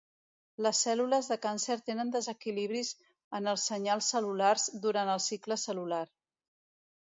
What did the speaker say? Les cèl·lules de càncer tenen desequilibris en els senyals cel·lulars durant el cicle cel·lular.